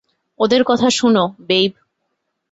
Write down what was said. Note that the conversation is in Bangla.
ওদের কথা শোনো, বেইব।